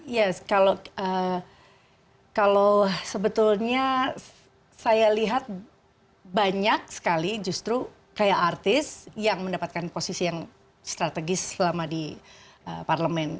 yes kalau sebetulnya saya lihat banyak sekali justru kayak artis yang mendapatkan posisi yang strategis selama di parlemen